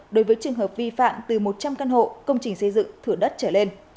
đối với trường hợp vi phạm từ một trăm linh căn hộ công trình xây dựng thửa đất trở lên